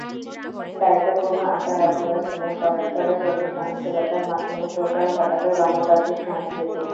দায়িত্বপূর্ণ আচার-আচরণ এবং পরস্পরের প্রতি সহনশীলতার মাধ্যমে প্রসার ঘটাবে গণতান্ত্রিক সংস্কৃতির।